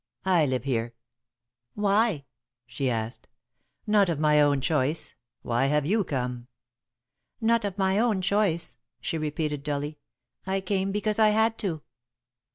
I live here." "Why?" she asked. "Not of my own choice. Why have you come?" "Not of my own choice," she repeated, dully. "I came because I had to."